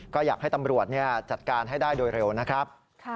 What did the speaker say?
ก็อยากให้ตำรวจจัดการให้ได้โดยเร็วนะครับ